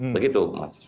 begitu pak mas